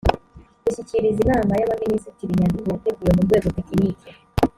gushyikiriza inama y abaminisitiri inyandiko yateguwe ku rwego tekiniki